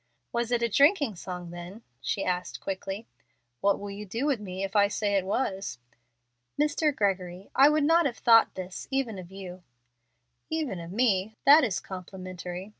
"Was it a drinking song, then?" she asked, quickly. "What will you do with me if I say it was?" "Mr. Gregory, I would not have thought this even of you." "Even of me! That is complimentary.